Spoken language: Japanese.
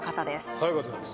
そういうことです